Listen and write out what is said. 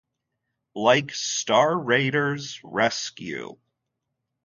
Like "Star Raiders", "Rescue!